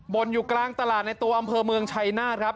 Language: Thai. ่นอยู่กลางตลาดในตัวอำเภอเมืองชัยนาธครับ